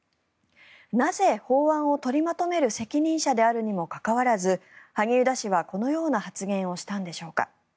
なぜ、法案を取りまとめる責任者であるにもかかわらず萩生田氏はこのような発言をしたのでしょうか。